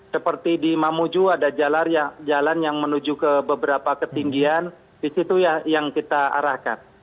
seperti di mamuju ada jalan yang menuju ke beberapa ketinggian di situ yang kita arahkan